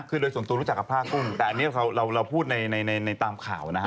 คือโดยส่วนตัวรู้จักกับผ้ากุ้งแต่อันนี้เราพูดในตามข่าวนะฮะ